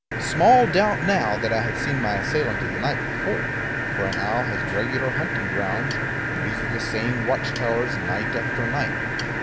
Small doubt now that I had seen my assailant of the night before; for an owl has regular hunting grounds, and uses the same watch towers night after night.